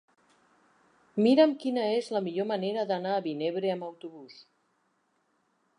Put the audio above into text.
Mira'm quina és la millor manera d'anar a Vinebre amb autobús.